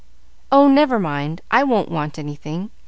"Oh, never mind; I won't want anything.